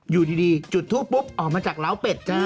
อยู่ดีจุดทูปปุ๊บออกมาจากล้าวเป็ด